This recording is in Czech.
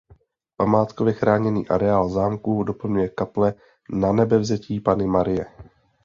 Památkově chráněný areál zámku doplňuje kaple Nanebevzetí Panny Marie.